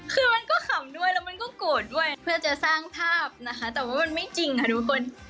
คือมันก็ขำด้วยแล้วมันก็โกรธด้วยเพื่อจะสร้างภาพนะคะแต่ว่ามันไม่จริงค่ะทุกคน